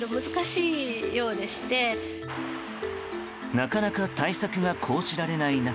なかなか対策が講じられない中